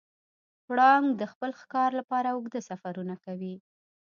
پړانګ د خپل ښکار لپاره اوږده سفرونه کوي.